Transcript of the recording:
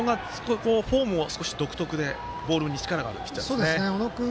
この小野がフォーム独特でボールに力のあるピッチャーです。